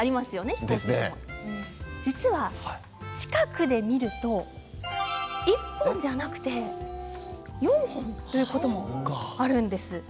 実は近くで見ると１本じゃなくて４本ということもあるんです。